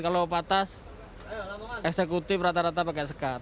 kalau patas eksekutif rata rata pakai sekat